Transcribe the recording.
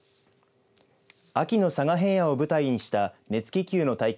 秋の佐賀平野を舞台にした熱気球の大会